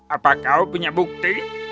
apa kau punya bukti